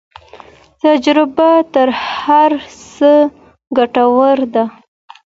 تجربه تر هر څه ګټوره ده.